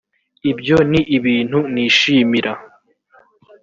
ibyo ni ibintu nishimira